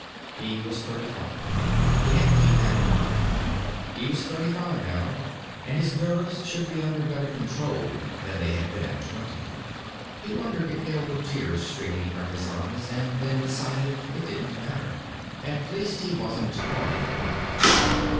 He was thirty five. He had to keep that in mind. He was thirty five now, and his nerves should be under better control than they had been at twenty. He wondered if there were tears streaming from his eyes, and then decided it didn't matter. At least he wasn't crying aloud.